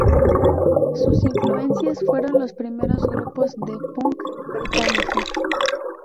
Sus influencias fueron los primeros grupos de punk británico.